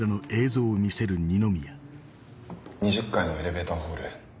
２０階のエレベーターホール。